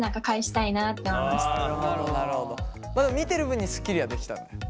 まあ見てる分にすっきりはできたんだ？